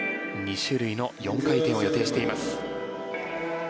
２種類の４回転を予定しています。